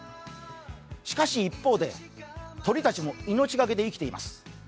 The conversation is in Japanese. しかし一方で、鳥たちも命懸けで生きています。